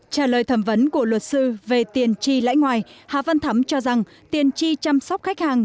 trả lời thẩm vấn của luật sư về tiền chi lãi ngoài hà văn thắm cho rằng tiền chi chăm sóc khách hàng